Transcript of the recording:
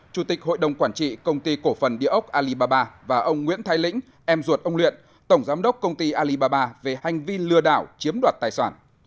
chủ tịch hội đồng quản trị công ty cổ phần địa ốc alibaba và ông nguyễn thái lĩnh em ruột ông luyện tổng giám đốc công ty alibaba về hành vi lừa đảo chiếm đoạt tài sản